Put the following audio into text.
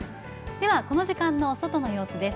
ではこの時間の外の様子です。